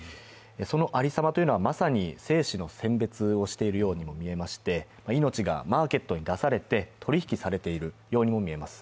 そのありさまというのは、まさに精子の選別をしているようにも見えまして、命がマーケットに出されて、取り引きされているようにも見えます。